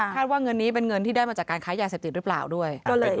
ท่านว่าเงินที่ได้เป็นเงินมาจากการค้ายาเสพติดหรือเปล่าด้วย